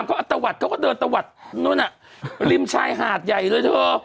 พี่ติ๊ก็เดินตามดีเธอ